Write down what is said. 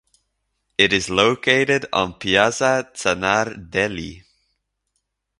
It is located on Piazza Zanardelli.